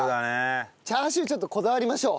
チャーシューちょっとこだわりましょう。